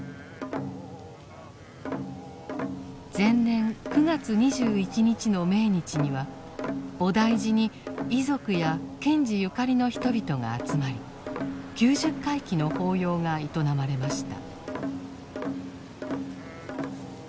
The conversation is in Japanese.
前年９月２１日の命日には菩提寺に遺族や賢治ゆかりの人々が集まり九十回忌の法要が営まれました。